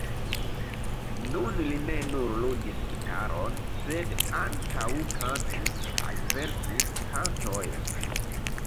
Nun li ne nur ludis gitaron, sed ankaŭ kantis kaj verkis kantojn.